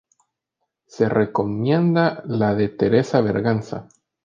Se recomienda la de Teresa Berganza.